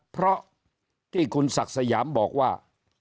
เพราะที่คุณศักดิ์สยามบอกว่า